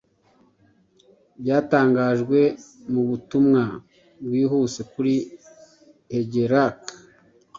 Byatangajwe mubutumwa bwihuse kuri Higelac